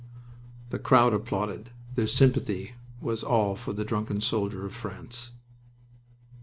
The crowd applauded. Their sympathy was all for the drunken soldier of France.